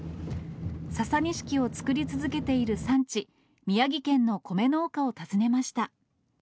ササニシキを作り続けている産地、宮城県の米農家を訪ねました。